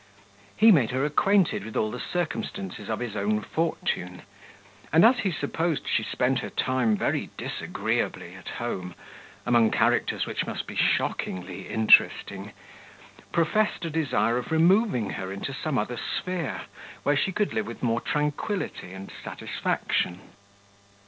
He made her acquainted with all the circumstances of his own fortune; and, as he supposed she spent her time very disagreeably at home, among characters which must be shockingly interesting, professed a desire of removing her into some other sphere, where she could live with more tranquility and satisfaction.